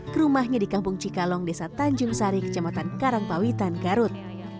ke rumahnya di kampung cikalong desa tanjung sari kecamatan karangpawitan garut